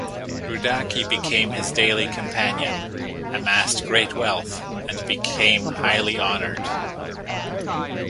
Rudaki became his daily companion, amassed great wealth, and become highly honored.